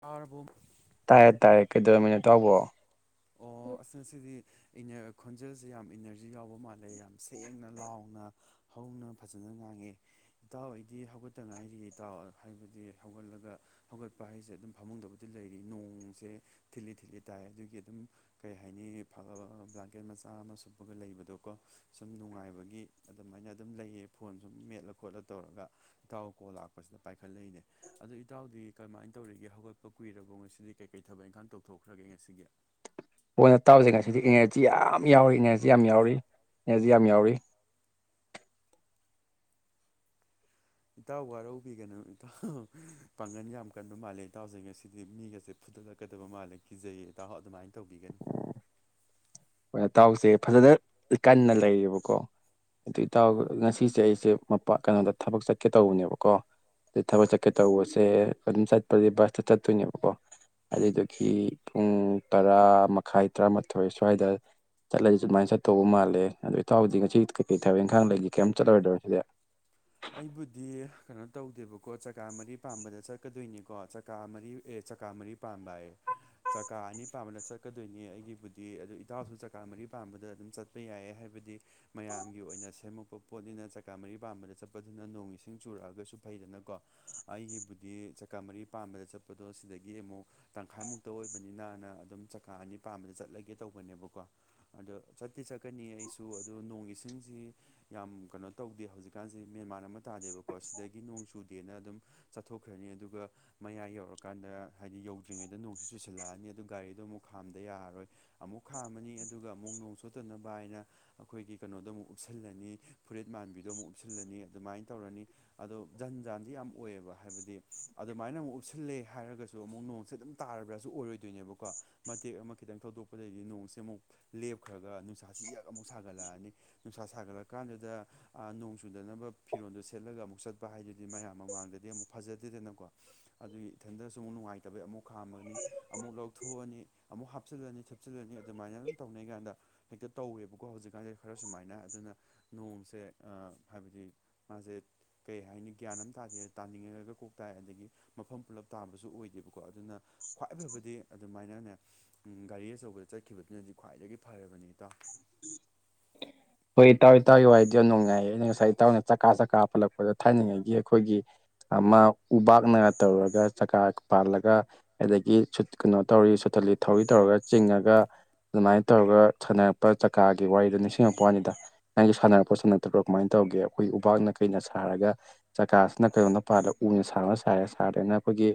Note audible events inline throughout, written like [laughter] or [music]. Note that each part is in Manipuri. ꯇꯥꯔꯕꯨ ꯇꯥꯏꯔꯦ ꯇꯥꯏꯔꯦ ꯀꯩꯗꯧꯔꯝꯃꯤꯅꯦ ꯏꯇꯥꯎꯕꯣ ꯑꯣ ꯑꯁꯤꯅ ꯑꯁꯤꯗꯤ ꯈꯣꯟꯖꯦꯜꯁꯦ ꯌꯥꯝ ꯏꯅꯔꯖꯤ ꯌꯥꯎꯕ ꯃꯥꯜꯂꯦ ꯌꯥꯝ ꯁꯦꯡꯅ ꯂꯥꯎꯅ ꯍꯧꯅ ꯐꯖꯅ ꯉꯥꯡꯉꯦ ꯏꯇꯥꯎ ꯑꯩꯗꯤ ꯍꯧꯒꯠꯇ ꯉꯥꯏꯔꯤꯔꯦ ꯏꯇꯥꯎ ꯍꯥꯏꯕꯗꯤ ꯍꯧꯒꯠꯂꯒ ꯍꯧꯒꯠꯄ ꯍꯥꯏꯁꯦ ꯑꯗꯨꯝ ꯐꯃꯨꯡꯗꯕꯨꯗꯤ ꯂꯩꯔꯤ ꯅꯣꯡꯁꯦ ꯊꯤꯠꯂꯤ ꯊꯤꯠꯂꯤ ꯇꯥꯏ ꯑꯗꯨꯒꯤ ꯑꯗꯨꯝ ꯀꯩ ꯍꯥꯏꯅꯤ ꯐꯕ ꯕ꯭ꯂꯥꯟꯀꯦꯠ ꯃꯆꯥ ꯑꯃ ꯁꯨꯞꯄꯒ ꯂꯩꯕꯗꯣꯀꯣ ꯁꯨꯝ ꯅꯨꯡꯉꯥꯏꯕꯒꯤ ꯑꯗꯨꯃꯥꯏꯅ ꯑꯗꯨꯝ ꯂꯩꯌꯦ ꯐꯣꯟ ꯁꯨꯝ ꯃꯦꯠꯂ ꯈꯣꯠꯂ ꯇꯧꯔꯒ ꯏꯇꯥꯎ ꯀꯣꯜ ꯂꯥꯛꯄꯁꯤꯗ ꯄꯥꯏꯈꯠꯂꯛꯏꯅꯦ ꯑꯗꯣ ꯏꯇꯥꯎꯗꯤ ꯀꯃꯥꯏꯅ ꯇꯧꯔꯤꯒꯦ ꯍꯧꯒꯠꯄ ꯀꯨꯏꯔꯕꯣ ꯉꯁꯤꯗꯤ ꯀꯩꯀꯩ ꯊꯕꯛ ꯏꯪꯈꯥꯡ ꯇꯧꯊꯣꯛꯈ꯭ꯔꯒꯦ ꯉꯁꯤꯒꯤ ꯐꯣꯟꯗ ꯇꯥꯎꯁ ꯉꯁꯤꯗꯤ ꯏꯅꯔꯖꯤ ꯌꯥꯝ ꯌꯥꯎꯔꯤ ꯏꯅꯔꯖꯤ ꯌꯥꯝ ꯌꯥꯎꯔꯤ ꯏꯅꯔꯖꯤ ꯌꯥꯝ ꯌꯥꯎꯔꯤ ꯏꯇꯥꯎ ꯋꯥꯔꯧꯕꯤꯒꯅꯨ ꯏꯇꯥꯎ ꯄꯥꯡꯒꯟ ꯌꯥꯝ ꯀꯟꯕ ꯃꯥꯜꯂꯦ ꯏꯇꯥꯎꯁꯦ ꯉꯁꯤꯗꯤ ꯃꯤꯒꯁꯦ ꯐꯨꯗꯠꯂꯛꯀꯗꯕ ꯃꯥꯜꯂꯦ ꯀꯤꯖꯩꯑꯦ ꯏꯇꯥꯎ ꯑꯗꯨꯃꯥꯏꯅ ꯇꯧꯕꯤꯒꯅꯨ ꯑꯩꯈꯣꯏ ꯇꯥꯎꯁꯦ ꯐꯖꯅ ꯀꯟꯅ ꯂꯩꯌꯦꯕꯀꯣ ꯑꯗꯣ ꯏꯇꯥꯎ ꯉꯁꯤꯁꯦ ꯑꯩꯁꯦ ꯃꯄꯥꯥ ꯀꯩꯅꯣꯗ ꯊꯕꯛ ꯆꯠꯀꯦ ꯇꯧꯕꯅꯦꯕꯀꯣ ꯑꯗꯩ ꯊꯕꯛ ꯆꯠꯀꯦ ꯇꯧꯕꯁꯦ ꯑꯗꯨꯝ ꯆꯠꯄꯗꯤ ꯕꯁꯇ ꯆꯠꯇꯣꯏꯅꯦꯕꯀꯣ ꯑꯗꯨꯗꯨꯏꯒꯤ ꯄꯨꯡ ꯇꯔꯥ ꯃꯈꯥꯏ ꯇꯔꯥꯃꯥꯊꯣꯏ ꯁ꯭ꯋꯥꯏꯗ ꯆꯠꯂꯁꯤꯦ ꯁꯨꯃꯥꯏꯅ ꯆꯠꯇ ꯇꯧꯕ ꯃꯥꯜꯂꯦ ꯑꯗ ꯏꯥꯎꯗꯤ ꯉꯁꯤ ꯀꯩꯀꯩ ꯊꯕꯛ ꯏꯪꯈꯥꯡ ꯂꯩꯗꯒꯤ ꯀꯩꯝ ꯆꯠꯂꯔꯣꯏꯗꯣꯏꯣ ꯁꯤꯗ ꯑꯩꯕꯨꯗꯤ ꯀꯩꯅꯣ ꯇꯧꯗꯦꯕꯀꯣ ꯆꯀꯥ ꯃꯔꯤ ꯄꯥꯝꯕꯗ ꯆꯠꯀꯗꯣꯏꯅꯤꯀꯣ ꯆꯀꯥ ꯃꯔꯤ ꯑꯦ ꯆꯀꯥ ꯃꯔꯤ [unintelligible] ꯍꯥꯏꯌꯨ ꯆꯀꯥ ꯑꯅꯤ ꯄꯥꯝꯕꯗ ꯆꯠꯀꯗꯣꯏꯅꯤ ꯑꯩꯒꯤꯕꯨꯗꯤ ꯑꯗꯨ ꯏꯇꯥꯎꯁꯨ ꯆꯀꯥ ꯃꯔꯤ ꯄꯥꯝꯕꯗ ꯑꯗꯨꯝ ꯆꯠꯄ ꯌꯥꯏ ꯍꯥꯏꯕꯗꯤ ꯃꯌꯥꯝꯒꯤ ꯑꯣꯏꯅ ꯁꯦꯝꯃꯛꯄ ꯄꯣꯠꯅꯤꯅ ꯆꯀꯥ ꯃꯔꯤ ꯄꯥꯟꯕꯗ ꯆꯠꯄ ꯑꯗꯨꯅ ꯅꯣꯡ ꯏꯁꯤꯡ ꯆꯨꯔꯛꯑꯒꯁꯨ ꯐꯩꯗꯅꯀꯣ ꯑꯩꯒꯤꯕꯨꯗꯤ ꯆꯀꯥ ꯃꯔꯤ ꯄꯥꯟꯕꯥꯗ ꯆꯠꯄꯗꯣ ꯁꯤꯗꯒꯤ ꯑꯃꯨꯛ ꯇꯪꯈꯥꯏꯃꯨꯛꯇ ꯑꯣꯏꯕꯅꯤꯅꯅ ꯑꯗꯨꯝ ꯆꯀꯥ ꯑꯅꯤ ꯄꯥꯝꯕꯗ ꯆꯠꯂꯒꯦ ꯇꯧꯕꯅꯦꯕꯀꯣ ꯑꯗꯣ ꯆꯠꯇꯤ ꯆꯠꯀꯅꯤ ꯑꯩꯁꯨ ꯑꯗꯣ ꯅꯣꯡ ꯏꯁꯤꯡꯁꯤ ꯌꯥꯝ ꯀꯩꯅꯣ ꯇꯧꯗꯦ ꯍꯧꯖꯤꯛꯀꯥꯟꯁꯤ ꯁꯤ ꯃꯦꯟꯃꯥꯟ ꯑꯃ ꯇꯥꯗꯦꯕꯀꯣ ꯁꯤꯗꯒꯤ ꯅꯣꯡ ꯆꯨꯗꯦꯅ ꯑꯗꯨꯝ ꯆꯠꯊꯣꯛꯈ꯭ꯔꯅꯤ ꯑꯗꯨꯒ ꯃꯌꯥꯏ ꯌꯧꯔꯀꯥꯟꯗ ꯍꯥꯏꯗꯤ ꯌꯧꯗ꯭ꯔꯤꯉꯩꯗ ꯅꯣꯡꯁꯨ ꯆꯨꯁꯤꯜꯂꯛꯑꯅꯤ ꯑꯗꯨ ꯒꯥꯔꯤꯗꯣ ꯑꯃꯨꯛ ꯈꯥꯝꯗ ꯌꯥꯔꯔꯣꯏ ꯑꯃꯨꯛ ꯈꯥꯝꯃꯅꯤ ꯑꯗꯨꯒ ꯑꯃꯨꯛ ꯅꯣꯡ ꯁꯣꯠꯇꯅꯕ ꯍꯥꯏꯅ ꯑꯩꯈꯣꯏꯒꯤ ꯀꯩꯅꯣꯗꯣ ꯑꯃꯨꯛ ꯎꯞꯁꯤꯜꯂꯅꯤ ꯐꯨꯔꯤꯠ ꯃꯥꯟꯕꯤꯗꯣ ꯑꯃꯨꯛ ꯍꯥꯨꯞꯁꯤꯜꯂꯅꯤ ꯑꯗꯨꯃꯥꯏꯅ ꯇꯧꯔꯅꯤ ꯑꯗꯣ ꯖꯟ ꯖꯥꯟꯗꯤ ꯌꯥꯝ ꯑꯣꯏꯌꯦꯕ ꯍꯥꯏꯕꯗꯤ ꯑꯗꯨꯃꯥꯏꯅ ꯑꯃꯨꯛ ꯎꯞꯁꯤꯜꯂꯦ ꯍꯥꯏꯔꯒꯁꯨ ꯑꯃꯨꯛ ꯅꯣꯡꯁꯦ ꯑꯗꯨꯝ ꯇꯥꯔꯕ꯭ꯔꯥꯁꯨ ꯑꯣꯏꯔꯣꯏꯗꯣꯏꯅꯦꯕꯀꯣ꯫ ꯃꯇꯦꯛ ꯑꯃ ꯈꯤꯇꯪ ꯊꯧꯗꯣꯛꯄꯗꯒꯤꯩꯗꯤ ꯅꯣꯡꯁꯦ ꯑꯃꯨꯛ ꯂꯦꯞꯈ꯭ꯔꯒ ꯅꯨꯡꯁꯥꯁꯤ ꯌꯛ ꯑꯃꯨꯛ ꯁꯥꯒꯠꯂꯛꯑꯅꯤ ꯅꯨꯡꯁꯥ ꯁꯥꯒꯠꯂꯀꯥꯟꯗꯨꯗ꯫ ꯆꯨꯗꯅꯕ ꯐꯤꯔꯣꯟꯗꯣ ꯁꯦꯠꯂꯒ ꯑꯃꯨꯛ ꯆꯠꯄ ꯍꯥꯏꯗꯨꯗꯤ ꯃꯌꯥꯝ ꯃꯃꯥꯡꯗꯗꯤ ꯑꯃꯨꯛ ꯐꯖꯗꯦꯗꯅꯀꯣ ꯑꯗꯨꯒꯤ ꯏꯊꯦꯟꯗꯔꯁꯨ ꯑꯃꯨꯛ ꯅꯨꯡꯉꯥꯏꯇꯕꯩ ꯑꯃꯨꯛ ꯈꯥꯝꯃꯒꯅꯤ ꯑꯃꯨꯛ ꯂꯧꯊꯣꯛꯑꯅꯤ ꯑꯃꯨꯛ ꯍꯥꯞꯆꯤꯜꯂꯅꯤ ꯊꯨꯞꯆꯤꯜꯂꯅꯤ ꯑꯗꯨꯃꯥꯏꯅ ꯑꯗꯨꯝ ꯇꯧꯅꯩ ꯀꯥꯟꯗ ꯍꯦꯛꯇ ꯇꯧꯋꯦꯕꯀꯣ ꯍꯧꯖꯤꯛꯀꯥꯟꯁꯦ ꯈꯔ ꯁꯨꯃꯥꯏꯅ ꯑꯗꯨꯅ ꯅꯣꯡꯁꯦ ꯍꯥꯏꯕꯗꯤ ꯃꯥꯁꯦ ꯀꯩ ꯍꯥꯏꯅꯤ ꯒ꯭ꯌꯥꯟ ꯑꯃ ꯇꯥꯗꯦ ꯇꯥꯅꯤꯡꯉꯒ ꯀꯣꯛ ꯇꯥꯏ ꯑꯗꯒꯤ ꯃꯐꯝ ꯄꯨꯜꯂꯞ ꯇꯥꯕꯁꯨ ꯑꯣꯏꯗꯦꯕꯀꯣ ꯑꯗꯨꯅ ꯈ꯭ꯋꯥꯏ ꯐꯕꯗꯤ ꯑꯗꯨꯃꯥꯏꯅꯅꯦ ꯎꯝ ꯒꯥꯔꯤ ꯑꯆꯧꯕꯗ ꯆꯠꯈꯤꯕꯗꯨꯅꯗꯤ ꯈ꯭ꯋꯥꯏꯗꯒꯤ ꯐꯔꯕꯅꯤ ꯏꯇꯥꯎ [inaudible] ꯍꯣꯏ ꯇꯥꯎꯋꯏ ꯇꯧꯋꯏꯗꯤ ꯌꯥꯝ ꯅꯨꯡꯉꯥꯏꯌꯦ ꯑꯩꯅ ꯉꯁꯥꯏ ꯇꯧꯅ ꯆꯀꯥ ꯆꯀꯥ ꯄꯨꯜꯂꯛꯄꯗ ꯊꯥꯅꯉꯩꯒꯤ ꯑꯩꯈꯣꯏꯒꯤ ꯑꯃ ꯎꯕꯥꯛꯅꯒ ꯇꯧꯔꯒ ꯆꯀꯥ ꯄꯥꯜꯂꯒ ꯑꯗꯒꯤ ꯁꯨꯠ ꯀꯩꯅꯣ ꯇꯧꯔꯤ ꯁꯨꯇꯂꯤ ꯊꯧꯔꯤ ꯇꯧꯔꯒ ꯆꯤꯡꯉꯒ꯫ ꯑꯗꯨꯃꯥꯏꯅ ꯇꯧꯔꯒ ꯁꯥꯟꯅꯔꯛꯄ ꯆꯀꯥꯒꯤ ꯋꯥꯔꯤꯗ ꯅꯤꯡꯁꯤꯡꯉꯛꯄ ꯃꯄꯅꯤꯗ ꯅꯪꯁꯨ ꯁꯥꯟꯅꯔꯛꯄꯣꯠ ꯁꯥꯟꯅꯗ꯭ꯔꯕ꯭ꯔꯥ ꯀꯃꯥꯏꯅ ꯇꯧꯒꯦ ꯑꯩꯈꯣꯏ ꯎꯄꯥꯛꯥꯛꯅ ꯀꯩꯅ ꯁꯥꯔꯒ ꯆꯀꯥꯁꯤꯅ ꯀꯩꯅꯣꯅ ꯄꯥꯗ ꯎꯅ ꯁꯥꯔ ꯁꯥꯥꯏꯔꯦ ꯁꯥꯗꯔꯒꯅ ꯑꯩꯈꯣꯏꯒꯤ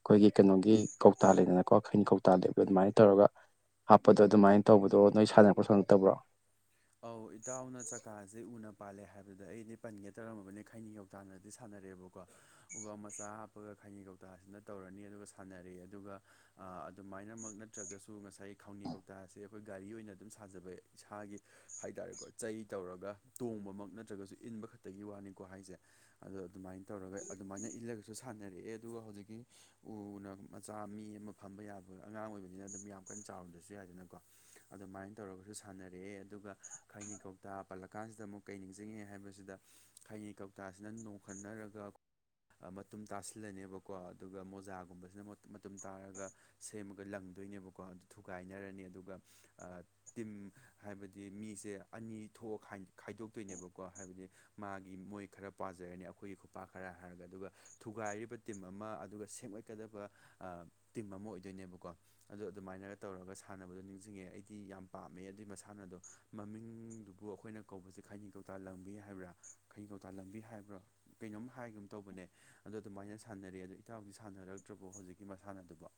ꯑꯩꯈꯣꯏꯒꯤ ꯀꯩꯅꯣꯒꯤ ꯀꯧꯇꯥ ꯂꯩꯗꯅꯀꯣ ꯈꯩꯅꯤ ꯀꯧꯇꯥ ꯂꯩꯕ ꯑꯗꯨꯃꯥꯏꯅ ꯇꯧꯔꯒ꯫ ꯍꯥꯞꯄꯗꯣ ꯑꯗꯨꯃꯥꯏꯅ ꯇꯧꯕꯗꯣ ꯅꯣꯏ ꯁꯥꯟꯅꯔꯛꯄ ꯁꯣꯟꯉꯛꯇꯕ꯭ꯔꯣ ꯑꯧ ꯏꯇꯥꯎꯅ ꯆꯀꯥꯁꯦ ꯎꯅ ꯄꯥꯜꯂꯦ ꯍꯥꯏꯕꯗ ꯑꯩꯅꯦ ꯄꯟꯒꯦ ꯇꯧꯔꯝꯃꯕꯅꯦ ꯈꯥꯏꯅꯤ ꯇꯥꯟꯅꯗꯤ ꯁꯥꯟꯅꯔꯦꯕꯀꯣ ꯎꯕ ꯃꯆꯥ ꯍꯥꯞꯄꯒ ꯈꯥꯏꯅꯤ ꯀꯧꯇꯥꯁꯤꯅ ꯇꯧꯔꯅꯤ ꯑꯗꯨꯒ ꯁꯥꯟꯅꯔꯦ ꯑꯗꯨꯒ꯫ ꯑꯗꯨꯃꯥꯏꯅꯃꯛ ꯅꯠꯇ꯭ꯔꯒꯁꯨ ꯉꯁꯥꯏ ꯈꯥꯎꯅꯤ ꯀꯧꯇꯥꯥꯁꯦ ꯑꯩꯈꯣꯏ ꯒꯥꯔꯤ ꯑꯣꯏꯅ ꯑꯗꯨꯝ ꯁꯥꯖꯕ ꯏꯁꯥꯒꯤ ꯍꯥꯏ ꯇꯔꯦꯀꯣ ꯆꯩ ꯇꯧꯔꯒ ꯇꯣꯡꯕꯃꯛ ꯅꯠꯇ꯭ꯔꯒꯁꯨ ꯏꯟꯕ ꯈꯛꯇꯒꯤ ꯋꯥꯅꯤꯀꯣ ꯍꯥꯏꯁꯦ ꯑꯗꯣ ꯑꯗꯨꯃꯥꯏꯅ ꯇꯧꯔꯒ ꯑꯗꯨꯃꯥꯏꯅ ꯏꯜꯂꯒꯁꯨ ꯁꯥꯟꯅꯔꯛꯑꯦ ꯑꯗꯨꯒ ꯍꯧꯖꯤꯛꯀꯤ ꯎꯅ ꯃꯆꯥ ꯃꯤ ꯑꯃ ꯐꯝꯕ ꯌꯥꯕ ꯑꯉꯥꯡ ꯑꯣꯏꯕꯅꯤꯅ ꯑꯗꯨꯝ ꯌꯥꯝ ꯀꯟꯅ ꯆꯥꯎꯔꯝꯗ꯭ꯔꯁꯨ ꯌꯥꯏꯗꯅꯀꯣ ꯑꯗꯨꯃꯥꯏꯅ ꯇꯧꯔꯒꯁꯨ ꯁꯥꯟꯅꯔꯛꯑꯦ ꯑꯗꯨꯒ ꯈꯥꯏꯅꯤ ꯀꯧꯇꯥ ꯄꯜꯂ ꯀꯥꯟꯁꯤꯗ ꯑꯃꯨꯛ ꯀꯩ ꯅꯤꯡꯁꯤꯡꯉꯦ ꯍꯥꯏꯕꯁꯤꯗ ꯈꯥꯏꯅꯤ ꯀꯧꯇꯥꯁꯤꯅ ꯅꯣꯡꯈꯟꯅꯔꯒ ꯃꯇꯨꯝ ꯇꯥꯁꯤꯜꯂꯅꯦꯕꯀꯣ ꯑꯗꯨꯒ ꯃꯣꯖꯥꯒꯨꯝꯕꯁꯤꯅ ꯃꯇꯨꯝ ꯇꯥꯔꯒ ꯁꯦꯝꯃꯒ ꯂꯪꯗꯣꯏꯅꯦꯕꯀꯣ ꯑꯗꯨ ꯊꯨꯒꯥꯏꯅꯔꯅꯤ ꯑꯗꯨꯒ ꯇꯤꯝ ꯍꯥꯏꯕꯗꯤ ꯍꯥꯏꯗꯤ ꯃꯤꯁꯦ ꯑꯅꯤ ꯊꯣꯛꯑ ꯈꯥꯏ ꯈꯥꯏꯗꯣꯛꯇꯣꯏꯅꯦꯕꯀꯣ ꯍꯥꯏꯕꯗꯤ ꯃꯥꯒꯤ ꯃꯣꯏ ꯈꯔ ꯄꯥꯖꯔꯅꯤ ꯑꯩꯈꯣꯏꯒꯤ ꯈꯨꯄꯥꯛ ꯈꯔ ꯍꯥꯏꯔꯒ ꯑꯗꯨꯒ ꯊꯨꯒꯥꯏꯔꯤꯕ ꯇꯤꯝ ꯑꯃ ꯑꯗꯨꯒ ꯁꯦꯝꯒꯠꯀꯗꯕ ꯑ ꯇꯤꯝ ꯑꯃ ꯑꯣꯏꯗꯣꯏꯅꯦꯕꯀꯣ ꯑꯗꯣ ꯑꯗꯨꯃꯥꯏꯅꯒ ꯇꯧꯔꯒ ꯁꯥꯟꯅꯕꯗꯣ ꯅꯤꯡꯁꯤꯡꯉꯦ ꯑꯩꯗꯤ ꯌꯥꯝ ꯄꯥꯝꯃꯦ ꯑꯗꯨꯏ ꯃꯁꯥꯟꯅꯗꯣ ꯃꯃꯤꯡꯗꯨꯕꯨ ꯑꯩꯈꯣꯏꯅ ꯀꯧꯕꯁꯦ ꯈꯩꯅꯤ ꯀꯧꯇꯥ ꯂꯪꯕꯤ ꯍꯥꯏꯕ꯭ꯔꯥ ꯈꯥꯏꯅꯤ ꯀꯧꯇꯥ ꯂꯪꯕꯤ ꯍꯥꯏꯕ꯭ꯔꯥ ꯀꯩꯅꯣꯝ ꯍꯥꯏꯒꯤꯒꯨꯝ ꯇꯧꯕꯅꯦ ꯑꯗꯣ ꯑꯗꯨꯃꯥꯏꯅ ꯁꯥꯟꯅꯔꯦ ꯑꯗꯣ ꯏꯇꯥꯎꯍꯥꯎꯗꯤ ꯁꯥꯟꯅꯔꯛꯇ꯭ꯔꯕꯣ ꯍꯧꯖꯤꯛꯀꯤ ꯃꯁꯥꯟꯅ ꯑꯗꯨꯕ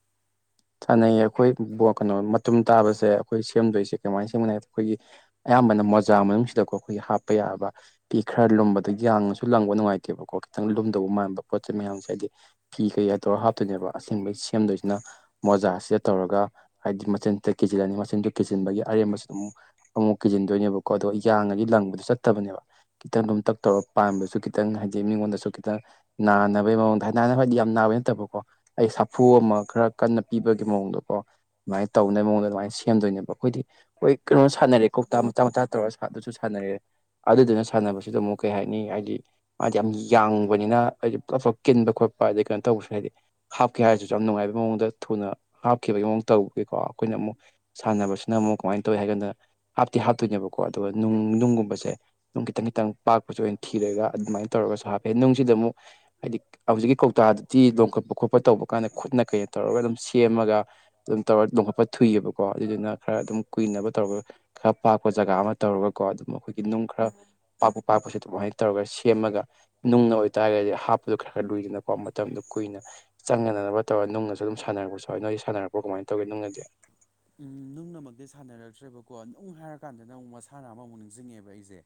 ꯁꯥꯟꯅꯩꯌꯦ ꯑꯩꯈꯣꯏ ꯕꯣ ꯀꯩꯅꯣ ꯃꯇꯨꯝ ꯇꯥꯕꯁꯦ ꯑꯩꯈꯣꯏ ꯁꯦꯝꯗꯣꯏꯁꯦ ꯀꯃꯥꯏꯅ ꯁꯦꯝꯒꯅꯤ ꯍꯥꯏꯗ ꯑꯩꯈꯣꯏꯒꯤ ꯑꯌꯥꯝꯕꯅ ꯃꯣꯖꯥ ꯃꯅꯨꯡꯁꯤꯗꯀꯣ ꯑꯩꯈꯣꯏꯒꯤ ꯍꯥꯞꯄ ꯌꯥꯕ ꯄꯤ ꯈꯔ ꯂꯨꯝꯕꯗꯣ ꯌꯥꯡꯉꯁꯨ ꯂꯪꯕ ꯅꯨꯡꯉꯥꯏꯇꯦꯕꯀꯣ ꯈꯤꯇꯪ ꯂꯨꯝꯗꯧꯕ ꯃꯥꯟꯕ ꯄꯣꯠ ꯆꯩ ꯃꯌꯥꯝꯁꯦ ꯍꯥꯏꯗꯤ ꯐꯤ ꯀꯩꯌꯥ ꯇꯧꯔꯒ ꯍꯥꯞꯇꯣꯏꯅꯦꯕ ꯑꯁꯤꯟꯕꯩ ꯁꯦꯝꯗꯣꯏꯁꯤꯅ ꯃꯣꯖꯥꯁꯦ ꯇꯧꯔꯒ ꯍꯥꯏꯗꯤ ꯃꯆꯤꯟ ꯇꯦꯛ ꯀꯤꯖꯤꯜꯂꯅꯤ ꯃꯆꯤꯟꯗꯣ ꯀꯤꯖꯤꯟꯕꯒꯤ ꯑꯔꯦꯝꯕꯁꯤꯗ ꯑꯃꯨꯛ ꯑꯃꯨꯛ ꯀꯤꯖꯤꯟꯗꯣꯏꯅꯦꯕꯀꯣ ꯑꯗꯣ ꯌꯥꯡꯉꯒꯤ ꯂꯪꯕꯗꯣ ꯆꯠꯇꯕꯅꯦꯕ ꯈꯤꯇꯪ ꯔꯨꯝ ꯇꯛ ꯇꯧꯔꯒ ꯄꯥꯝꯕꯁꯨ ꯈꯤꯇꯪ ꯍꯥꯏꯗꯤ ꯃꯤꯉꯣꯟꯗꯁꯨ ꯈꯤꯇꯪ ꯅꯥꯟꯅꯕꯒꯤ ꯃꯑꯣꯡꯗ ꯍꯥꯏꯗꯤ ꯌꯥꯝ ꯅꯥꯕꯩ ꯅꯠꯇꯕꯀꯣ ꯑꯩ ꯁꯥꯐꯨ ꯑꯃ ꯈꯔ ꯀꯟꯅ ꯄꯤꯕꯒꯤ ꯃꯑꯣꯡ ꯍꯣꯡꯗꯣꯛꯀꯣ ꯑꯗꯨꯃꯥꯏꯅ ꯇꯧꯅꯕ ꯃꯉꯣꯟꯗ ꯑꯗꯨꯃꯥꯏꯅ ꯁꯦꯝꯗꯣꯏꯅꯦꯕ ꯑꯩꯈꯣꯏꯗꯤ ꯑꯩꯈꯣꯏ ꯀꯩꯅꯣ ꯁꯥꯟꯅꯔꯛꯑꯦ ꯀꯧꯇꯥ ꯃꯆꯥ ꯃꯆꯥ ꯇꯧꯔ ꯁꯥꯟ ꯑꯗꯨꯁꯨ ꯁꯥꯟꯅꯔꯛꯑꯦ ꯑꯗꯨꯗꯨꯅ ꯁꯥꯟꯅꯕꯁꯤꯗ ꯑꯃꯨꯛ ꯀꯩ ꯍꯥꯏꯅꯤ ꯍꯥꯏꯗꯤ ꯃꯥꯗꯤ ꯌꯥꯝ ꯌꯥꯡꯕꯅꯤꯅ ꯍꯥꯏꯗꯤ ꯄꯨꯂꯞ ꯄꯨꯂꯞ ꯀꯤꯟꯕ ꯈꯣꯠꯄ ꯑꯗꯨꯗꯩ ꯀꯩꯅꯣ ꯇꯧꯕꯁꯨ ꯍꯥꯏꯗꯤ ꯍꯥꯞꯀꯦ ꯍꯥꯏꯔꯁꯨ ꯌꯥꯝ ꯅꯨꯡꯉꯥꯏꯕꯒꯤ ꯃꯑꯣꯡꯗ ꯊꯨꯅ ꯍꯥꯞꯈꯤꯕꯒꯤ ꯃꯑꯣꯡ ꯇꯧꯒꯦꯀꯣ ꯑꯩꯈꯣꯏꯅ ꯑꯃꯨꯛ ꯁꯥꯟꯅꯕꯁꯤꯅ ꯑꯃꯨꯛ ꯀꯃꯥꯏꯅ ꯇꯧꯋꯤ ꯍꯥꯏꯀꯥꯟꯗ ꯍꯥꯞꯇꯤ ꯍꯥꯞꯇꯣꯏꯅꯦꯕꯀꯣ ꯑꯗꯨꯒ ꯅꯨꯡ ꯅꯨꯡꯒꯨꯝꯕꯁꯦ ꯅꯨꯡ ꯈꯤꯇꯪ ꯈꯤꯇꯪ ꯄꯥꯛꯄꯁꯦ ꯑꯣꯏꯅ ꯊꯤꯔꯒ ꯑꯗꯨꯃꯥꯏꯅ ꯇꯧꯔꯒꯁꯨ ꯍꯥꯞꯄꯦ ꯅꯨꯡꯁꯤꯗ ꯑꯃꯨꯛ ꯍꯥꯏꯗꯤ ꯍꯧꯖꯤꯛꯀꯤ ꯀꯧꯇꯥꯗꯨꯗꯤ ꯂꯣꯝꯈꯠꯄ ꯈꯣꯠꯄ ꯇꯧꯕꯀꯥꯟꯗ ꯈꯨꯠꯅ ꯀꯩꯅꯣ ꯇꯧꯔꯒ ꯑꯗꯨꯝ ꯁꯦꯝꯃꯒ ꯑꯗꯨꯝ ꯇꯧꯔ ꯂꯣꯡꯈꯠꯄ ꯊꯨꯏꯌꯦꯕꯀꯣ ꯑꯗꯨꯗꯨꯅ ꯈꯔ ꯑꯗꯨꯝ ꯀꯨꯏꯅꯕ ꯇꯧꯔꯒ ꯈꯔ ꯄꯥꯛꯄ ꯖꯒꯥ ꯑꯃ ꯇꯧꯔꯒꯀꯣ ꯑꯗꯨꯝ ꯑꯩꯈꯣꯏꯒꯤ ꯅꯨꯡ ꯈꯔ ꯄꯥꯛꯄ ꯄꯥꯛꯄꯁꯦ ꯑꯗꯨꯃꯥꯏ ꯇꯧꯔꯒ ꯁꯦꯝꯃꯒ ꯅꯨꯡꯅ ꯑꯣꯏꯇꯥꯔꯒꯗꯤ ꯍꯥꯞꯄꯗꯨ ꯈꯔ ꯂꯨꯏꯗꯅꯀꯣ ꯃꯇꯝꯗꯣ ꯀꯨꯏꯅ ꯆꯪꯅꯗꯅꯕ ꯇꯧꯔꯒ ꯅꯨꯡꯅꯁꯨ ꯑꯗꯨꯝ ꯁꯥꯟꯅꯔꯄꯁꯨ ꯌꯥꯎꯏ ꯅꯣꯏꯗꯤ ꯁꯅꯔꯛꯄꯣꯔ ꯀꯃꯥꯏꯅ ꯇꯧꯒꯦ ꯅꯨꯡꯅꯗꯤ ꯎꯝ ꯅꯨꯡꯅꯃꯛꯇꯤ ꯁꯥꯟꯅꯔꯛꯇ꯭ꯔꯦꯕꯀꯣ ꯅꯨꯡ ꯍꯥꯏꯔ ꯀꯥꯟꯗꯅ ꯑꯃꯨꯛ ꯃꯁꯥꯟꯅ ꯑꯃꯃꯨꯛ ꯅꯤꯡꯖꯤꯡꯉꯛꯑꯦꯕ ꯑꯩꯁꯦ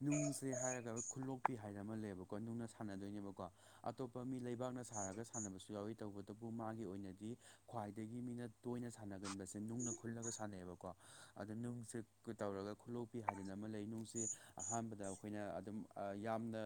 ꯅꯨꯡꯁꯦ ꯍꯥꯏꯔꯒ ꯈꯨꯠꯂꯣꯛꯄꯤ ꯍꯥꯏꯅ ꯑꯃ ꯂꯩꯌꯦꯕꯀꯣ ꯅꯨꯡꯅ ꯁꯥꯟꯅꯗꯣꯏꯅꯦꯕꯀꯣ ꯑꯇꯣꯞꯄ ꯃꯤ ꯂꯩꯕꯥꯛꯅ ꯁꯥꯔꯒ ꯁꯥꯟꯅꯕꯁꯨ ꯌꯥꯎꯋꯤ ꯇꯧꯕꯇꯕꯨ ꯃꯥꯒꯤ ꯑꯣꯏꯅꯗꯤ ꯈ꯭ꯋꯥꯏꯗꯒꯤ ꯃꯤꯅ ꯇꯣꯏꯅ ꯁꯥꯟꯅꯒꯟꯕꯁꯦ ꯅꯨꯡꯅ ꯈꯨꯜꯂꯒ ꯁꯥꯟꯅꯩꯑꯕꯀꯣ ꯑꯗ ꯅꯨꯡꯁꯦ ꯇꯧꯔꯒ ꯈꯨꯂꯣꯛꯄꯤ ꯍꯥꯏꯗꯅ ꯑꯃ ꯂꯩ ꯅꯨꯡꯁꯦ ꯑꯍꯥꯟꯕꯗ ꯑꯩꯈꯣꯏꯅ ꯑꯗꯨꯝ ꯌꯥꯝꯅ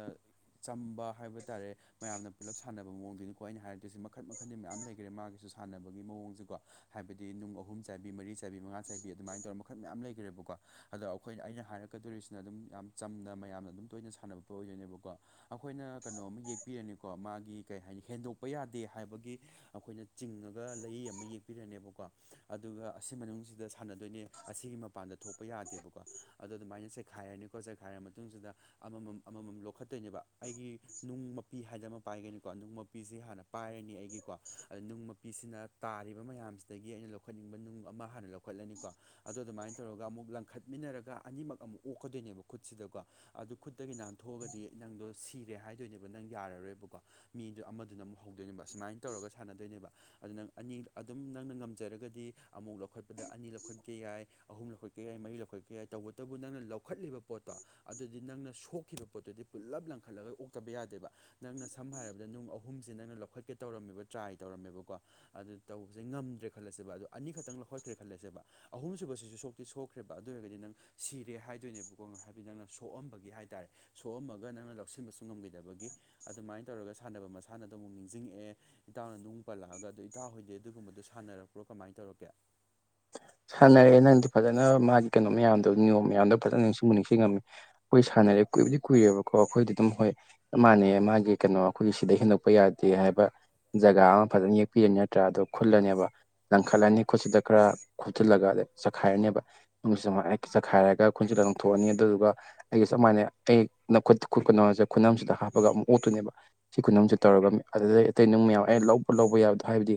ꯆꯝꯕ ꯍꯥꯏꯕ ꯇꯥꯔꯦ ꯃꯌꯥꯝꯅ ꯄꯨꯜꯂꯞ ꯁꯥꯟꯅꯕ ꯃꯑꯣꯡꯗꯨꯅꯤꯀꯣ ꯑꯩꯅ ꯍꯥꯏꯗꯨꯏꯁꯦ ꯃꯈꯟ ꯃꯈꯜꯗꯤ ꯃꯌꯥꯝ ꯂꯩꯈ꯭ꯔꯦ ꯃꯥꯒꯤꯁꯨ ꯁꯥꯟꯅꯕꯒꯤ ꯃꯑꯣꯡꯁꯤꯀꯣ ꯍꯥꯏꯕꯗꯤ ꯅꯨꯡ ꯑ ꯑꯍꯨꯝ ꯆꯥꯏꯕꯤ ꯃꯔꯤ ꯆꯥꯏꯕꯤ ꯃꯉꯥ ꯆꯥꯏꯕꯤ ꯑꯗꯨꯃꯥꯏꯅ ꯇꯧꯔꯒ ꯃꯈꯜ ꯃꯌꯥꯝ ꯂꯩꯈ꯭ꯔꯦꯕꯀꯣ ꯑꯗꯣ ꯑꯩꯈꯣꯏꯅ ꯑꯩꯅ ꯍꯥꯏꯔꯛꯀꯗꯣꯔꯤꯁꯤꯅ ꯑꯗꯨꯝ ꯌꯥꯝ ꯆꯝꯅ ꯃꯌꯥꯝꯅ ꯑꯗꯨꯝ ꯇꯣꯏꯅ ꯁꯥꯟꯅꯕ ꯄꯣꯠ ꯑꯣꯏꯗꯣꯏꯅꯦꯕꯀꯣ ꯑꯩꯈꯣꯏꯅ ꯀꯅꯣꯃ ꯌꯦꯛꯄꯤꯔꯅꯤꯀꯣ ꯃꯥꯒꯤ ꯀꯩ ꯍꯥꯏꯅꯤ ꯍꯦꯟꯗꯣꯛꯄ ꯌꯥꯗꯦ ꯍꯥꯏꯕꯒꯤ ꯑꯩꯈꯣꯏꯅ ꯆꯤꯡꯉꯒ ꯂꯩꯌꯤ ꯑꯃ ꯌꯦꯛꯄꯤꯔꯅꯦꯕꯀꯣ꯫ ꯑꯗꯨꯒ ꯑꯁꯤ ꯃꯅꯨꯡꯁꯤꯗ ꯁꯥꯟꯅꯗꯣꯏꯅꯦ ꯑꯁꯤꯒꯤ ꯃꯄꯥꯟꯗ ꯊꯣꯛꯄ ꯌꯥꯗꯦꯕꯀꯣ ꯑꯗꯣ ꯑꯗꯨꯃꯥꯏꯅ ꯆꯩꯈꯥꯏꯔꯅꯤꯀꯣ ꯆꯩꯈꯥꯏꯔ ꯃꯇꯨꯡꯁꯤꯗ ꯑꯃꯃꯝ ꯑꯃꯃꯝ ꯂꯧꯈꯠꯇꯣꯏꯅꯦꯕ ꯑꯩꯒꯤ ꯅꯨꯡ ꯃꯄꯤ ꯍꯥꯏꯅ ꯑꯃ ꯄꯥꯏꯒꯅꯤꯀꯣ ꯅꯨꯡ ꯃꯄꯤꯁꯦ ꯍꯥꯟꯅ ꯄꯥꯏꯔꯅꯤ ꯑꯩꯒꯤꯀꯣ ꯑꯗ ꯅꯨꯡ ꯃꯄꯤꯁꯤꯅ ꯇꯥꯔꯤꯕ ꯃꯌꯥꯝꯁꯤꯗꯒꯤ ꯑꯩꯅ ꯂꯧ ꯂꯧꯈꯠꯅꯤꯡꯕ ꯅꯨꯡ ꯑꯃ ꯍꯥꯟꯅ ꯂꯧꯈꯠꯂꯅꯤꯀꯣ ꯑꯗꯣ ꯑꯗꯨꯃꯥꯏꯅ ꯇꯧꯔꯒ ꯑꯃꯨꯛ ꯂꯪꯈꯠꯃꯤꯟꯅꯔꯒ ꯑꯅꯤꯃꯛ ꯑꯃꯨꯛ ꯑꯣꯛꯀꯗꯣꯏꯅꯦꯕ ꯈꯨꯠꯁꯤꯗꯀꯣ ꯑꯗꯨ ꯈꯨꯠꯇꯒꯤ ꯅꯥꯟꯊꯣꯛꯑꯒꯗꯤ ꯅꯪꯗꯣ ꯁꯤꯔꯦ ꯍꯥꯏꯗꯣꯏꯅꯦꯕ ꯅꯪ ꯌꯥꯔꯔꯣꯏꯕꯀꯣ ꯃꯤꯗꯨ ꯑꯃꯗꯨꯅ ꯑꯃꯨꯛ ꯍꯧꯗꯣꯏꯅꯦꯕ ꯁꯨꯃꯥꯏꯅ ꯇꯧꯔꯒ ꯁꯥꯟꯅꯗꯣꯏꯅꯦꯕ ꯑꯗꯨ ꯅꯪ ꯑꯅꯤ ꯑꯗꯨꯝ ꯅꯪꯅ ꯉꯝꯖꯔꯒꯗꯤ ꯗꯤ ꯑꯃꯨꯛ ꯂꯧꯈꯠꯄꯗ ꯑꯅꯤ ꯂꯧꯈꯠꯀꯦ ꯌꯥꯏ ꯑꯍꯨꯝ ꯂꯧꯈꯠꯀꯦ ꯌꯥꯏ ꯃꯔꯤ ꯂꯧꯈꯠꯀꯦ ꯌꯥꯏ ꯇꯧꯕ ꯑꯗꯨꯕꯨ ꯅꯪꯅ ꯂꯧꯈꯠꯂꯤꯕ ꯄꯣꯠꯇꯣ ꯑꯗꯨꯗꯤ ꯅꯪꯅ ꯁꯣꯛꯈꯤꯕ ꯄꯣꯠꯇꯨꯗꯤ ꯄꯨꯜꯂꯞ ꯂꯪꯈꯠꯂꯒ ꯑꯣꯛꯇꯕ ꯌꯥꯗꯦꯕ ꯅꯪꯅ ꯁꯝꯅ ꯍꯥꯏꯔꯕꯗ ꯅꯨꯡ ꯑꯍꯨꯝꯁꯦ ꯅꯪꯅ ꯂꯧꯈꯠꯀꯦ ꯇꯧꯔꯝꯃꯦꯕ ꯇ꯭ꯔꯥꯏ ꯇꯧꯔꯝꯃꯦꯕꯀꯣ ꯑꯗꯨ ꯇꯧꯕꯁꯦ ꯉꯝꯗ꯭ꯔꯦ ꯈꯜꯂꯁꯦꯕ ꯑꯗꯣ ꯑꯅꯤꯈꯛꯇꯪ ꯂꯧꯈꯠꯈ꯭ꯔꯦ ꯈꯜꯂꯁꯦꯕ ꯑꯍꯨꯝꯁꯨꯕꯁꯤꯁꯨ ꯁꯣꯛꯇꯤ ꯁꯣꯛꯈ꯭ꯔꯦꯕ ꯑꯗꯨ ꯑꯣꯏꯔꯒꯗꯤ ꯅꯪ ꯁꯤꯔꯦ ꯍꯥꯏꯗꯣꯏꯅꯦꯕ꯫ ꯍꯥꯏꯕꯗꯤ ꯅꯪꯅ ꯁꯣꯛꯑꯝꯕꯒꯤ ꯍꯥꯏ ꯇꯥꯔꯦ ꯁꯣꯛꯑꯝꯃꯒ ꯅꯪꯅ ꯂꯧꯁꯤꯟꯕꯁꯨ ꯉꯝꯈꯤꯗꯕꯒꯤ ꯑꯗꯨꯃꯥꯏꯅ ꯇꯧꯔꯒ ꯁꯥꯟꯅꯕ ꯃꯁꯥꯟꯅꯗꯣ ꯑꯃꯨꯛ ꯅꯤꯡꯁꯤꯡꯉꯛꯑꯦ ꯏꯇꯥꯎꯅ ꯅꯨꯡ ꯄꯜꯂꯛꯑꯒ ꯑꯗꯨ ꯏꯇꯥꯎꯍꯣꯏꯗꯤ ꯑꯗꯨꯒꯨꯝꯕꯗꯣ ꯁꯥꯟꯅꯔꯛꯄ꯭ꯔꯣ ꯀꯃꯥꯏꯅ ꯇꯧꯔꯛꯀꯦ ꯁꯥꯟꯅꯔꯑꯦ ꯅꯪꯗꯤ ꯐꯖꯅ ꯃꯥꯒꯤ ꯀꯩꯅꯣ ꯃꯌꯥꯝꯗꯣ ꯅꯤꯌꯣꯝ ꯃꯌꯥꯝꯗꯣ ꯐꯖꯅ ꯅꯤꯡꯁꯤꯡꯕ ꯅꯤꯡꯁꯤꯡꯉꯝꯃꯤ ꯑꯩꯈꯣꯏ ꯁꯥꯟꯅꯔꯦ ꯀꯨꯏꯕꯗꯤ ꯀꯨꯏꯔꯦꯕꯀꯣ ꯑꯩꯈꯣꯏꯗꯤ ꯑꯗꯨꯝ ꯍꯣꯏ ꯃꯥꯅꯦ ꯃꯥꯒꯤ ꯀꯩꯅꯣ ꯑꯩꯈꯣꯏꯒꯤ ꯁꯤꯗ ꯍꯦꯟꯗꯣꯛꯄ ꯌꯥꯗꯦ ꯍꯥꯏꯕ ꯖꯒꯥ ꯑꯃ ꯐꯖꯅ ꯌꯦꯛꯄꯤꯔꯅꯤ ꯅꯠꯇ꯭ꯔꯥ ꯑꯗꯣ ꯈꯨꯠꯂꯅꯦꯕ ꯂꯪꯈꯠꯂꯅꯤ ꯈꯨꯠꯁꯤꯗ ꯈꯔ ꯈꯣꯆꯜꯂꯒꯗ ꯆꯈꯥꯏꯔꯅꯦꯕ ꯁꯨ ꯆꯠꯈꯥꯏꯔꯒ ꯑꯩꯈꯣꯏꯟꯁꯤꯠ ꯂꯪꯊꯣꯛꯑꯅꯤ ꯑꯗꯨꯗꯨꯒ ꯑꯩꯒꯤ ꯁꯨꯃꯥꯏꯅ ꯑꯩꯈꯨ ꯈꯨꯠ ꯀꯩꯅꯣꯁꯦ ꯈꯨꯅꯁꯤꯗ ꯍꯥꯞꯄꯒ ꯑꯃꯨꯛ ꯑꯣꯠꯇꯨꯅꯦꯕ ꯁꯤ ꯈꯨꯅꯨꯡꯁꯤ ꯇꯧꯔꯒ ꯑꯗꯨꯗꯩ ꯑꯇꯩ ꯅꯨꯡ ꯃꯌꯥꯝ ꯑꯩꯅ ꯂꯧꯕ ꯂꯧꯕ ꯌꯥꯕꯗꯣ ꯍꯥꯏꯕꯗꯤ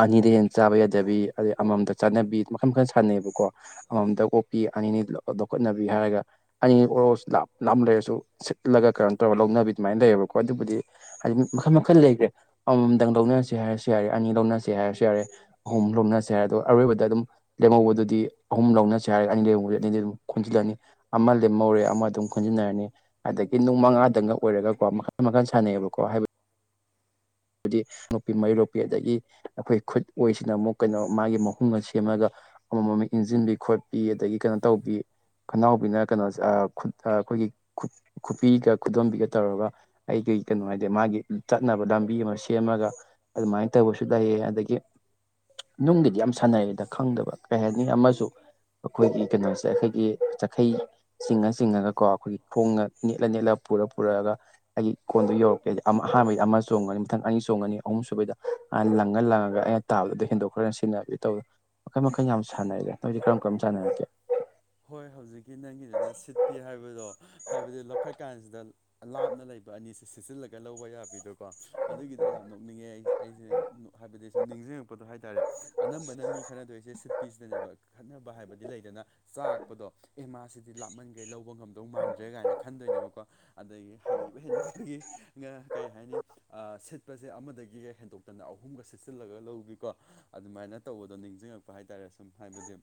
ꯑꯅꯤꯗ ꯍꯦꯟꯅ ꯆꯥꯕ ꯌꯥꯗꯕꯤ ꯑꯗꯩ ꯑꯃꯃꯝꯗ ꯆꯥꯅꯕꯤ ꯃꯈꯜ ꯃꯈꯜ ꯁꯥꯟꯅꯩꯕꯀꯣ ꯑꯃꯃꯝꯗ ꯑꯣꯛꯄꯤ ꯑꯅꯤꯅꯤ ꯂꯧꯈꯠꯅꯕꯤ ꯍꯥꯏꯔꯒ ꯑꯩ ꯑꯣꯔꯣꯁꯨ ꯂꯥꯞ ꯂꯥꯞ ꯂꯩꯔꯁꯨ ꯁꯤꯠꯂꯒ ꯀꯩꯅꯣ ꯇꯧꯔꯒ ꯂꯧꯅꯕꯤ ꯑꯗꯨꯃꯥꯏꯅ ꯂꯩꯌꯦꯕꯀꯣ ꯑꯗꯨꯕꯨꯗꯤ ꯍꯥꯏꯗꯤ ꯃꯈꯜ ꯃꯈꯜ ꯂꯩꯈ꯭ꯔꯦ ꯑꯃꯃꯝꯗꯪ ꯂꯧꯅꯔꯁꯦ ꯍꯥꯏꯔꯁꯨ ꯌꯥꯔꯦ ꯑꯅꯤ ꯂꯧꯅꯁꯦ ꯍꯥꯏꯔꯁꯨ ꯌꯥꯔꯦ ꯑꯍꯨꯝ ꯍꯣꯝ ꯂꯧꯅꯁꯤ ꯑꯗꯣ ꯑꯔꯣꯏꯕꯗ ꯑꯗꯨꯝ ꯂꯦꯝꯍꯧꯕꯗꯨꯗꯤ ꯑꯍꯨꯝ ꯂꯧꯅꯁꯤ ꯍꯥꯏꯔ ꯑꯅꯤ ꯂꯩꯗꯤ ꯑꯅꯤꯗꯤ ꯑꯗꯨꯝ ꯈꯣꯟꯖꯤꯜꯂꯅꯤ ꯑꯃ ꯂꯦꯝꯍꯧꯔꯦ ꯑꯃ ꯑꯗꯨꯝ ꯈꯨꯟꯖꯤꯟꯅꯔꯅꯤ ꯑꯗꯒꯤ ꯅꯨꯡ ꯃꯉꯥꯗꯪꯅ ꯑꯣꯏꯔꯒꯀꯣ ꯃꯈꯜ ꯃꯈꯜ ꯁꯥꯟꯅꯩꯌꯦꯕꯀꯣ ꯍꯥꯏꯕ ꯍꯥꯏꯗꯤ ꯅꯨꯄꯤ ꯃꯩꯔꯣꯛꯄꯤ ꯑꯗꯒꯤ ꯑꯩꯈꯣꯏ ꯈꯨꯠ ꯑꯣꯏꯁꯤꯅ ꯑꯃꯨꯛ ꯀꯩꯅꯣ ꯃꯥꯒꯤ ꯃꯍꯨꯝ ꯑꯃ ꯁꯦꯝꯃꯒ ꯑꯃꯃꯝ ꯏꯟꯁꯤꯟꯕꯤ ꯈꯣꯠꯄꯤ ꯑꯗꯒꯤ ꯀꯩꯅꯣ ꯇꯧꯕꯤ ꯈꯅꯥꯎꯕꯤꯅ ꯀꯩꯅꯣ ꯈꯠ ꯑꯩꯈꯣꯏꯒꯤ ꯈꯨꯠ ꯈꯨꯕꯤꯒ ꯈꯨꯗꯣꯝꯕꯤꯒ ꯇꯧꯔꯒ ꯑꯩ ꯀꯩ ꯀꯩꯅꯣ ꯍꯥꯏꯗꯦ ꯃꯥꯒꯤ ꯆꯠꯅꯕꯗꯝ ꯃꯤ ꯑꯃ ꯁꯦꯝꯃꯒ ꯑꯗꯨꯃꯥꯏꯅ ꯇꯧꯕꯁꯨ ꯂꯩꯌꯦ ꯑꯗꯒꯤ ꯅꯨꯡꯒꯤꯗꯤ ꯌꯥꯝ ꯁꯥꯟꯅꯩꯗ ꯈꯪꯗꯕ ꯀꯩ ꯍꯥꯏꯅꯤ ꯑꯃꯁꯨ ꯑꯩꯈꯣꯏꯒꯤ ꯀꯩꯅꯣꯁꯦ ꯑꯩꯈꯣꯏꯒꯤ ꯆꯈꯩ ꯆꯤꯡꯉ ꯆꯤꯡꯉꯒ ꯀꯣ ꯑꯩꯈꯣꯏꯒꯤ ꯈꯣꯡꯉ ꯅꯦꯠꯂ ꯅꯦꯠꯂ ꯄꯨꯔ ꯄꯨꯔꯛꯒ ꯑꯩꯒꯤ ꯀꯣꯟꯗꯨ ꯌꯧꯔꯛꯀꯦꯗꯤ ꯑꯍꯥꯟꯕꯩꯗꯤ ꯑꯃ ꯆꯣꯡꯒꯅꯤ ꯃꯊꯪ ꯑꯅꯤ ꯆꯣꯡꯒꯅꯤ ꯑꯍꯨꯝ ꯁꯨꯕꯩꯗ ꯑ ꯂꯪꯉ ꯂꯪꯉꯒ ꯑꯩꯅ ꯇꯥꯕꯗꯨꯗ ꯍꯦꯟꯗꯣꯛ ꯈ꯭ꯔꯅ ꯁꯤꯅꯕꯤꯒꯤ ꯇꯧ ꯃꯈꯜ ꯃꯈꯜ ꯌꯥꯝ ꯁꯥꯟꯅꯩ ꯅꯣꯏꯗꯤ ꯀꯔꯝ ꯀꯔꯝ ꯁꯥꯟꯅꯔꯒꯦ ꯍꯣꯏ ꯍꯧꯖꯤꯛꯀꯤ ꯅꯪꯒꯤꯗꯨꯅ ꯁꯤꯠꯄꯤ ꯍꯥꯏꯕꯗꯣ ꯍꯥꯏꯕꯗꯤ ꯂꯧꯈꯠꯀꯥꯟꯁꯤꯗ ꯂꯥꯞꯅ ꯂꯩꯕ ꯑꯅꯤꯁꯤ ꯁꯤꯆꯜꯂꯒ ꯂꯧꯕ ꯌꯥꯕꯤꯗꯨ ꯀꯣ ꯑꯗꯨꯒꯤꯗꯤ ꯌꯥꯝ ꯅꯣꯛꯅꯤꯡꯉꯦ ꯑꯩ ꯑꯩꯁꯦ ꯍꯥꯏꯕꯗꯤ ꯁꯨꯝ ꯅꯤꯡꯁꯤꯡꯉꯛꯄꯗꯣ ꯍꯥꯏꯇꯥꯔꯦ ꯑꯅꯝꯕꯅ ꯃꯤ ꯈꯅꯗꯣꯏꯁꯦ ꯁꯤꯠꯄꯤꯁꯤꯗꯅꯦꯕ ꯈꯠꯅꯕ ꯍꯥꯏꯕꯗꯤ ꯂꯩꯗꯅ ꯇꯥꯛꯄꯗꯣ ꯑꯦ ꯃꯥꯁꯤꯗꯤ ꯂꯥꯞꯃꯟꯈꯦ ꯂꯧꯕ ꯉꯝꯗꯧ ꯃꯥꯟꯗ꯭ꯔꯦ ꯀꯥꯏꯅ ꯈꯟꯗꯣꯏꯅꯦꯕꯀꯣ ꯑꯗꯒꯤ ꯍꯩꯕ ꯍꯦꯟꯃꯟꯕꯒꯤ ꯀꯩ ꯍꯥꯏꯅꯤ ꯁꯤꯠ ꯆꯄꯁꯦ ꯑꯃꯗꯒꯤꯒ ꯍꯦꯟꯗꯣꯛꯇꯅ ꯑꯍꯨꯝꯒ ꯁꯤꯠꯆꯤꯜꯂꯒ ꯂꯧꯕꯤꯀꯣ ꯑꯗꯨꯃꯥꯏꯅ ꯇꯧꯕꯗꯣ ꯅꯤꯡꯁꯤꯡꯉꯛꯄ ꯍꯥꯏꯇꯥꯔꯦ ꯁꯨꯝ ꯍꯥꯏꯕꯗꯤ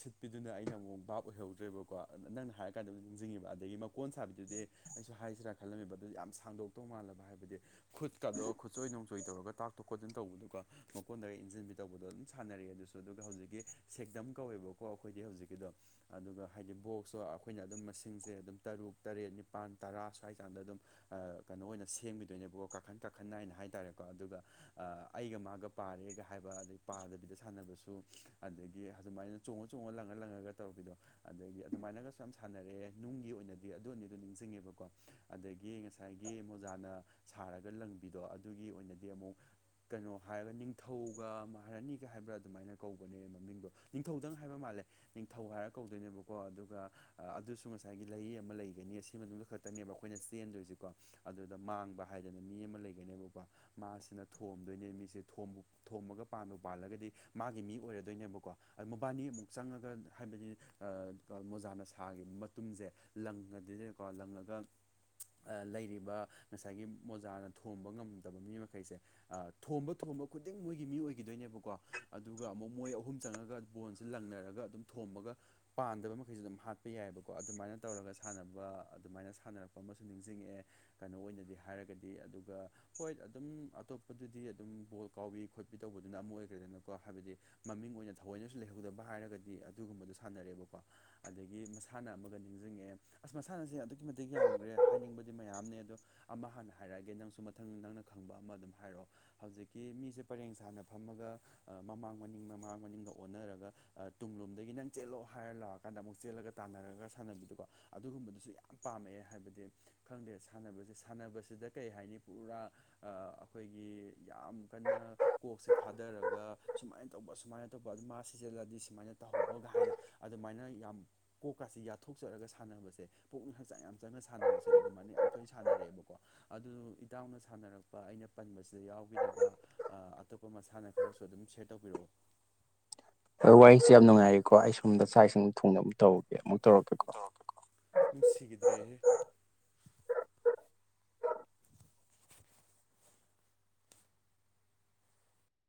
ꯁꯤꯠ ꯄꯤꯗꯨꯅ ꯑꯩꯅ ꯑꯃꯨꯛ ꯚꯥꯞ ꯑꯣꯏꯍꯧꯗ꯭ꯔꯦꯕꯀꯣ ꯅꯪꯅ ꯍꯥꯏꯔꯀꯥꯟꯗ ꯑꯃꯛ ꯅꯤꯡꯁꯤꯡꯉꯤꯕ ꯑꯗꯒꯤ ꯃꯀꯣꯟ ꯁꯥꯕꯤꯗꯨꯗꯤ ꯑꯩꯁꯨ ꯍꯥꯏꯁꯤꯔꯥ ꯈꯜꯂꯝꯃꯤꯕ ꯑꯗꯨ ꯌꯥꯝ ꯁꯥꯡꯗꯣꯛꯇꯧ ꯃꯥꯜꯂꯕ ꯍꯥꯏꯕꯗꯤ ꯈꯨꯠ ꯀꯥꯗꯣꯛꯑꯒ ꯈꯨꯠꯁꯣꯏ ꯣꯡꯆꯣꯏ ꯇꯧꯔꯒ ꯇꯥꯛꯇꯣꯛ ꯈꯣꯠꯇꯅ ꯇꯧꯕꯗꯨꯒ ꯃꯀꯣꯟꯗ ꯏꯟꯁꯤꯟꯕꯤ ꯇꯧꯕꯗꯣ ꯑꯗꯨꯝ ꯁꯥꯟꯅꯔꯦ ꯑꯗꯨꯁꯨ ꯑꯗꯨꯒ ꯍꯧꯖꯤꯛꯀꯤ ꯁꯦꯛꯗꯝ ꯀꯧꯋꯦꯕꯀꯣ ꯀꯣ ꯑꯩꯈꯣꯏꯗꯤ ꯍꯧꯖꯤꯛꯀꯤꯗꯣ ꯑꯗꯨꯒ ꯍꯥꯏꯗꯤ ꯕꯣꯛꯁꯇꯣ ꯑꯩꯈꯣꯏꯅ ꯑꯗꯨꯝ ꯃꯁꯤꯡꯁꯦ ꯑꯗꯨꯝ ꯇꯔꯨꯛ ꯇꯔꯦꯠ ꯅꯤꯄꯥꯟ ꯇꯔꯥ ꯁ꯭ꯋꯥꯏ ꯆꯥꯡꯗ ꯑꯗꯨꯝ ꯑ ꯀꯩꯅꯣ ꯑꯣꯏꯅ ꯁꯦꯝꯒꯤꯗꯣꯏꯅꯦꯕꯀꯣ ꯀꯥꯈꯟ ꯀꯥꯈꯟ ꯅꯥꯏꯅ ꯍꯥꯏ ꯇꯥꯔꯦꯀꯣ ꯑꯗꯨꯒ ꯑꯥ ꯑꯩꯒ ꯃꯥꯒ ꯄꯥꯔꯦꯒ ꯍꯥꯏꯕ ꯑꯗꯩ ꯄꯥꯗꯕꯤꯗ ꯁꯥꯟꯅꯕꯁꯨ ꯑꯗꯒꯤ ꯑꯗꯨꯃꯥꯏꯅ ꯆꯣꯡꯉ ꯆꯣꯡꯉ ꯂꯪꯉ ꯂꯪꯉꯒ ꯇꯧꯕꯤꯗꯣ ꯑꯗꯒꯤ ꯑꯗꯨꯃꯥꯏꯅꯒꯁꯨ ꯌꯥꯝ ꯁꯥꯟꯅꯔꯛꯑꯦ ꯅꯨꯡꯒꯤ ꯑꯣꯏꯅꯗꯤ ꯑꯗꯨ ꯑꯅꯤꯗꯣ ꯅꯤꯡꯖꯤꯡꯉꯦꯕꯀꯣ ꯑꯗꯒꯤ ꯉꯁꯥꯏꯒꯤ ꯃꯣꯖꯥꯅ ꯁꯥꯔꯒ ꯂꯪꯕꯤꯗꯣ ꯑꯗꯨꯒꯤ ꯑꯣꯏꯅꯗꯤ ꯑꯃꯨꯛ ꯀꯩꯅꯣ ꯍꯥꯏꯔꯒ ꯅꯤꯡꯊꯧꯒ ꯃꯍꯥꯔꯅꯤꯒ ꯍꯥꯏꯕ꯭ꯔꯥ ꯑꯗꯨꯃꯥꯏꯅ ꯀꯧꯕꯅꯦ ꯃꯃꯤꯡꯗꯣ ꯅꯤꯡ ꯇꯧꯗꯪ ꯍꯥꯏꯕ ꯃꯥꯜꯂꯦ ꯅꯤꯡꯊꯧ ꯍꯥꯏꯔ ꯀꯧꯗꯣꯏꯅꯦꯕꯀꯣ ꯑꯗꯨꯒ ꯑ ꯑꯗꯨꯁꯨ ꯉꯁꯥꯏꯒꯤ ꯂꯩꯏ ꯑꯃ ꯂꯩꯒꯅꯤ ꯑꯁꯤ ꯃꯅꯨꯡꯗ ꯈꯛꯇꯅꯦꯕ ꯑꯩꯈꯣꯏꯅ ꯆꯦꯟꯗꯣꯏꯖꯤꯀꯣ ꯑꯗꯨꯗ ꯃꯥꯡꯕ ꯍꯥꯏꯗꯅ ꯃꯤ ꯑꯃ ꯂꯩꯒꯅꯦꯕꯀꯣ ꯃꯥꯁꯤꯅ ꯊꯣꯝꯗꯣꯏꯅꯦ ꯃꯤꯁꯦ ꯊꯣꯝꯕꯨ ꯊꯣꯝꯃꯒ ꯄꯥꯟꯕ ꯄꯥꯜꯂꯒꯗꯤ ꯃꯥꯒꯤ ꯃꯤ ꯑꯣꯏꯔꯗꯣꯏꯅꯦꯕꯀꯣ ꯑꯃꯕꯥꯅꯤ ꯑꯃꯨꯛ ꯆꯪꯉꯒ ꯍꯥꯏꯕꯗꯤ ꯑ ꯃꯣꯖꯥꯅ ꯁꯥꯒꯤꯕ ꯃꯇꯨꯝꯖꯦ ꯂꯪꯒ ꯗꯤꯗꯤꯀꯣ ꯂꯪꯪꯉꯒ ꯑ ꯂꯩꯔꯤꯕ ꯉꯁꯥꯏꯒꯤ ꯃꯣꯖꯥꯅ ꯊꯣꯝꯕ ꯉꯝꯗꯕ ꯃꯤ ꯃꯈꯩꯁꯦ ꯑ ꯊꯣꯝꯕ ꯊꯣꯝꯕ ꯈꯨꯗꯤꯡ ꯃꯣꯏꯒꯤ ꯃꯤ ꯑꯣꯏꯒꯤꯗꯣꯏꯅꯦꯕꯀꯣ ꯑꯗꯨꯒ ꯑꯃꯨꯛ ꯃꯣꯏ ꯑꯍꯨꯝ ꯆꯪꯉꯒ ꯕꯣꯟꯁꯦ ꯂꯪꯅꯔꯒ ꯑꯗꯨꯝ ꯊꯣꯝꯃꯒ ꯄꯥꯟꯗꯕ ꯃꯈꯩꯁꯨ ꯑꯗꯨꯝ ꯍꯥꯠꯄ ꯌꯥꯏꯑꯦꯕꯀꯣ ꯑꯗꯨꯃꯥꯏꯅ ꯇꯧꯔꯒ ꯁꯥꯟꯅꯕ ꯑꯗꯨꯃꯥꯏꯅ ꯁꯥꯟꯅꯔꯛꯄ ꯑꯃꯁꯨ ꯅꯤꯡꯖꯤꯡꯉꯛꯑꯦ ꯀꯩꯅꯣ ꯑꯣꯏꯅꯗꯤ ꯍꯥꯏꯔꯒꯗꯤ ꯑꯗꯨꯒ ꯍꯣꯏꯠ ꯑꯗꯨꯝ ꯑꯇꯣꯞꯄꯗꯨꯗꯤ ꯑꯗꯨꯝ ꯕꯣꯜ ꯀꯥꯎꯕꯤ ꯈꯣꯠꯄꯤ ꯇꯧꯕꯗꯨꯅ ꯑꯃ ꯑꯣꯏꯒ꯭ꯔꯦꯗꯅꯀꯣ ꯍꯥꯏꯕꯗꯤ ꯃꯃꯤꯡ ꯑꯣꯏꯅ ꯊꯑꯣꯏꯅꯁꯨ ꯂꯩꯍꯧꯗꯕ ꯍꯥꯏꯔꯒꯗꯤ ꯑꯗꯨꯒꯨꯝꯕꯗꯣ ꯁꯥꯟꯅꯔꯦꯕꯀꯣ ꯑꯗꯒꯤ ꯃꯁꯥꯟꯅ ꯑꯃꯒ ꯅꯤꯡꯖꯤꯡꯉꯛꯑꯦ ꯑꯁ ꯃꯁꯥꯟꯅꯁꯦ ꯑꯗꯨꯛꯀꯤ ꯃꯇꯤꯛ ꯌꯥꯝꯒ꯭ꯔꯦ ꯍꯥꯏꯅꯤꯡꯕꯗꯤ ꯃꯌꯥꯝꯅꯤ ꯑꯗꯣ ꯑꯃ ꯍꯥꯟꯅ ꯍꯥꯏꯔꯛꯑꯒꯦ ꯅꯪꯁꯨ ꯃꯊꯪ ꯅꯪꯅ ꯈꯪꯕ ꯑꯃ ꯑꯗꯨꯝ ꯍꯥꯏꯔꯣ ꯍꯧꯖꯤꯛꯀꯤ ꯃꯤꯁꯦ ꯄꯔꯦꯡ ꯁꯥꯅ ꯐꯝꯃꯒ ꯑ ꯃꯃꯥꯡ ꯃꯅꯤꯡ ꯃꯃꯥꯡ ꯃꯅꯤꯡꯒ ꯑꯣꯟꯅꯔꯒ ꯑ ꯇꯨꯡꯂꯣꯝꯗꯒꯤ ꯅꯪ ꯆꯦꯜꯂꯣ ꯍꯥꯏꯔ ꯂꯥꯎꯔꯀꯥꯟꯗ ꯑꯃꯨꯛ ꯆꯦꯜꯂꯒ ꯇꯥꯟꯅꯔꯒ ꯁꯥꯟꯅꯕꯤꯗꯨꯀꯣ ꯑꯗꯨꯒꯨꯝꯕꯗꯨꯁꯨ ꯌꯥꯝ ꯄꯥꯝꯃꯛꯑꯦ ꯍꯥꯏꯕꯗꯤ ꯈꯪꯗꯦ ꯁꯥꯟꯅꯕꯁꯦ ꯁꯥꯟꯅꯕꯁꯤꯗ ꯀꯩ ꯍꯥꯏꯅꯤ ꯄꯨꯔꯥ ꯑ ꯑꯩꯈꯣꯏꯒꯤ ꯌꯥꯝ ꯀꯟꯅ ꯀꯣꯛꯁꯦ ꯊꯥꯗꯔꯒ ꯁꯨꯃꯥꯏꯅ ꯇꯧꯕ ꯁꯨꯃꯥꯏꯅ ꯑꯇꯣꯞꯄ ꯑꯗꯨꯝ ꯃꯥ ꯁꯤꯖꯤꯜꯂꯗꯤ ꯁꯤꯃꯥꯏꯅ ꯇꯧꯍꯧꯕꯒ ꯍꯥꯏꯅ ꯑꯗꯨꯃꯥꯏꯅ ꯌꯥꯝ ꯀꯣꯛꯀꯁꯦ ꯌꯥꯊꯣꯛꯆꯔꯒ ꯁꯥꯟꯅꯕꯁꯦ ꯄꯨꯛꯅꯤꯡ ꯍꯛꯆꯥꯡ ꯌꯥꯝ ꯆꯪꯅ ꯁꯥꯟꯅꯕꯁꯦ ꯑꯗꯨꯃꯥꯏꯅ ꯌꯥꯝ ꯇꯣꯏꯅ ꯁꯥꯟꯅꯔꯛꯑꯦꯕꯀꯣ ꯑꯗꯨ ꯏꯇꯥꯎꯅ ꯁꯥꯟꯅꯔꯛ ꯄ ꯑꯩꯅ ꯄꯟꯕꯁꯤꯗ ꯌꯥꯎꯒꯤꯗꯕ ꯑ ꯑꯇꯣꯞꯄ ꯃꯁꯥꯟꯅ ꯈꯔꯁꯨ ꯑꯗꯨꯝ ꯁꯤꯌ꯭ꯔ ꯇꯧꯕꯤꯔꯛꯎ ꯗ ꯋꯥꯔꯤꯁꯦ ꯌꯥꯝ ꯅꯨꯡꯉꯥꯏꯔꯤꯀꯣ ꯑꯩ ꯁꯣꯝꯗ ꯆꯥꯛ ꯏꯁꯤꯡ ꯊꯣꯡꯅꯕ ꯑꯝꯇ ꯇꯧꯔꯨꯒꯤꯒꯦ ꯑꯃꯨꯛ ꯇꯧꯔꯛꯀꯦ ꯅꯨꯡꯁꯤꯒꯤꯗ꯭ꯔꯦꯍꯦ